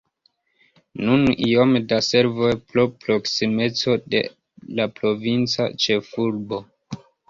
Nun iom da servoj pro proksimeco de la provinca ĉefurbo.